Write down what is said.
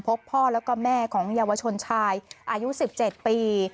พบพ่อแล้วก็แม่ของเยาวชนชายอายุ๑๗ปี